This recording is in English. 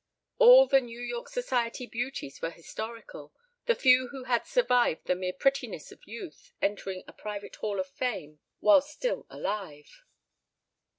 All the New York Society Beauties were historical, the few who had survived the mere prettiness of youth entering a private Hall of Fame while still alive.